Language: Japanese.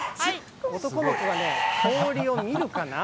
男の子がね、氷を見るかな？